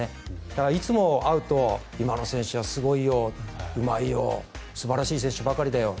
だからいつも会うと今の選手はすごいようまいよ素晴らしい選手ばかりだよ